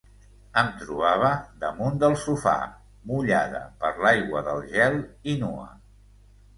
Em trobava damunt del sofà, mullada per l'aigua del gel i nua.